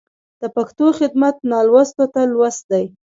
د پښتو خدمت نالوستو ته لوست دی.